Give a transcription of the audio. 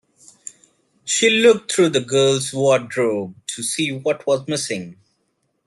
She looked through the girl's wardrobe to see what was missing.